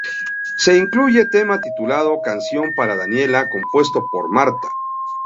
Se incluye un tema titulado Canción para Daniela, compuesto por Marta.